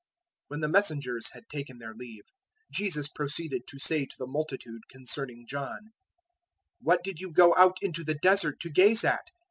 011:007 When the messengers had taken their leave, Jesus proceeded to say to the multitude concerning John, "What did you go out into the Desert to gaze at?